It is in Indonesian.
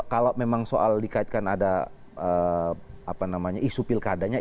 kalau memang soal dikaitkan ada apa namanya isu pilkadanya